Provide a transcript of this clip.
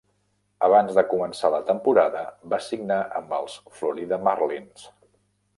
Abans de començar la temporada, va signar amb els Florida Marlins.